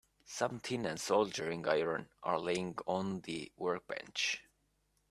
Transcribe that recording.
Some tin and a soldering iron are laying on the workbench.